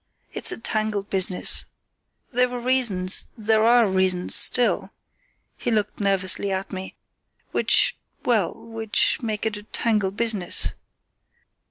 It's a tangled business. There were reasons, there are reasons still"—he looked nervously at me—"which—well, which make it a tangled business."